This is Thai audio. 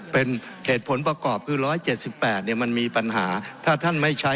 เป็นเหตุผลประกอบคือ๑๗๘มันมีปัญหา